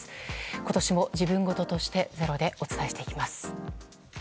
今年も自分事として「ｚｅｒｏ」でお伝えしていきます。